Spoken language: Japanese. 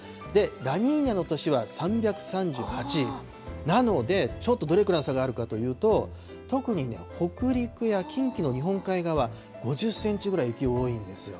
ラニーニャの年は３３８なので、ちょっとどれくらいの差があるかというと、特に北陸や近畿の日本海側、５０センチぐらい雪多いんですよ。